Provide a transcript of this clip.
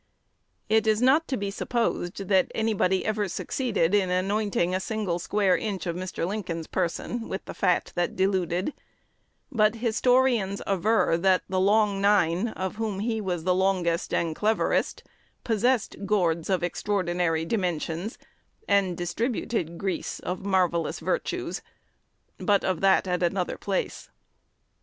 It is not to be supposed that anybody ever succeeded in anointing a single square inch of Mr. Lincoln's person with the "fat" that deluded; but historians aver that "the Long Nine," of whom he was the longest and cleverest, possessed "gourds" of extraordinary dimensions, and distributed "grease" of marvellous virtues. But of that at another place.